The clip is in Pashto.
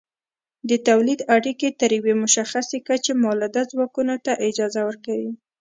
د تولید اړیکې تر یوې مشخصې کچې مؤلده ځواکونو ته اجازه ورکوي.